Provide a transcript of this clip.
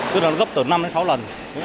tức là nó gấp từ năm sáu lần